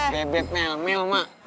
bebek nelmeh mak